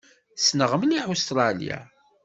Ssneɣ mliḥ Ustṛalya.